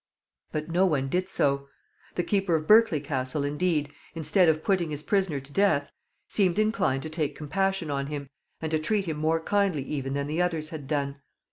But no one did so. The keeper of Berkeley Castle, indeed, instead of putting his prisoner to death, seemed inclined to take compassion on him, and to treat him more kindly even than the others had done.